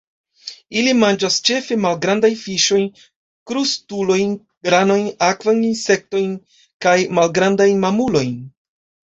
Ili manĝas ĉefe malgrandajn fiŝojn, krustulojn, ranojn, akvajn insektojn, kaj malgrandajn mamulojn.